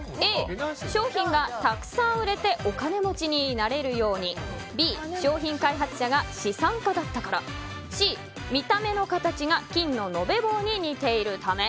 Ａ、商品がたくさん売れてお金持ちになれるようにＢ、商品開発者が資産家だったからＣ、見た目の形が金の延べ棒に似ているため。